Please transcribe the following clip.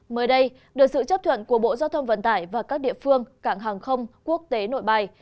mới đây được sự chấp thuận của bộ giao thông vận tải và các địa phương cảng hàng không quốc tế nội bài